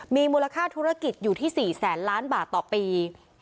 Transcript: มีมูลค่าธุรกิจอยู่ที่๔แสนล้านบาทต่อปี